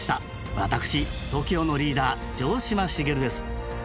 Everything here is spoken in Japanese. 私ＴＯＫＩＯのリーダー城島茂です。